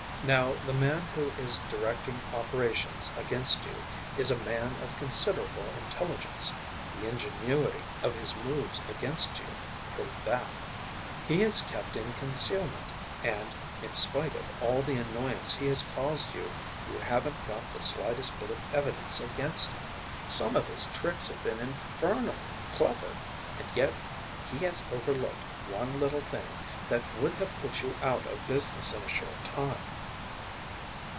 "Now the man who is directing operations against you is a man of considerable intelligence, the ingenuity of his moves against you prove that. He has kept in concealment, and, in spite of all the annoyance he has caused you, you haven't got the slightest bit of evidence against him. Some of his tricks have been infernally clever, and yet he has overlooked one little thing that would have put you out of business in a short time."